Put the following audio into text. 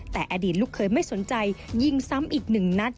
แต่อดีตลูกเคยไม่สนใจยิงซ้ำอีกหนึ่งนัด